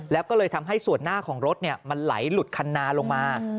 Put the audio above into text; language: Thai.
แล้วก็เลยทำให้ส่วนหน้าของรถมันไหลหลุดคันนาลงมา